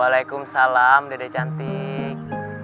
waalaikumsalam dede cantik